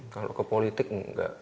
kalau ke politik nggak